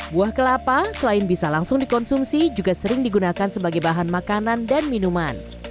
buah kelapa selain bisa langsung dikonsumsi juga sering digunakan sebagai bahan makanan dan minuman